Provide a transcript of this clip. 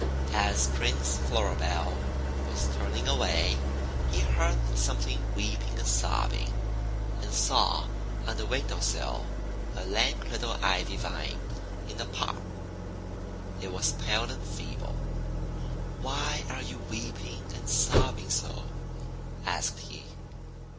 As Prince Floribel was turning away, he heard something weeping and sobbing, and saw on a window sill a lank little Ivy vine in a pot. It was pale and feeble. "Why are you weeping and sobbing so?' asked he.